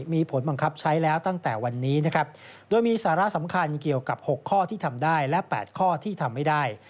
มีผลบังคับใช้แล้วตั้งแต่วันนี้นะครับโดยมีสาระสำคัญเกี่ยวกับ๖ข้อที่ทำได้และ๘ข้อที่ทำไม่ได้